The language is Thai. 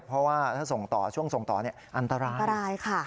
เพราะว่าถ้าส่งต่อช่วงส่งต่ออันตราย